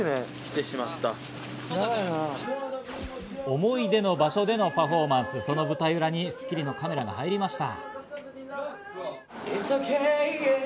思い出の場所でのパフォーマンス、その舞台裏に『スッキリ』のカメラが入りました。